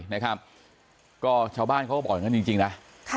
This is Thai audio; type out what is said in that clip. นะครับก็ชาวบ้านเขาบอกกันจริงจริงนะ